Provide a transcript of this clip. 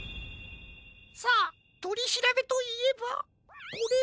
さあとりしらべといえばこれを。